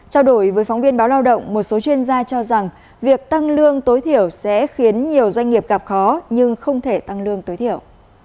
trao đổi với phóng viên báo lao động một số chuyên gia cho rằng việc tăng lương tối thiểu sẽ khiến nhiều doanh nghiệp gặp khó nhưng không thể tăng lương tối thiểu